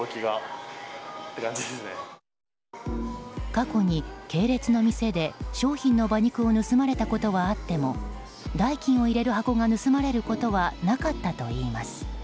過去に系列の店で商品の馬肉を盗まれたことはあっても代金を入れる箱が盗まれることはなかったといいます。